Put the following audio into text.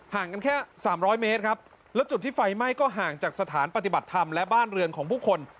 กันแค่สามร้อยเมตรครับแล้วจุดที่ไฟไหม้ก็ห่างจากสถานปฏิบัติธรรมและบ้านเรือนของผู้คน